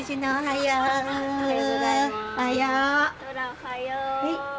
おはよう。